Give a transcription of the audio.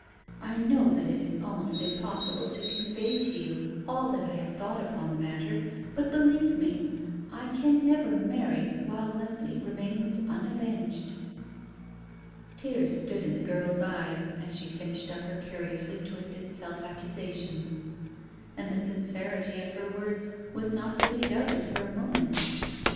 I know that it is almost impossible to convey to you all that I have thought upon the matter; but, believe me, I can never marry while Leslie remains unavenged." Tears stood in the girl's eyes as she finished up her curiously twisted self accusations. And the sincerity of her words was not to be doubted for a moment.